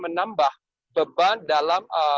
menambah beban dalam